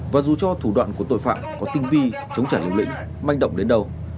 và dù cho thủ đoạn của tội phạm có tinh vi chống trả liều lĩnh manh động đến đâu